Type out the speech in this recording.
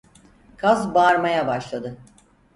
Kaz bağırmaya başladı.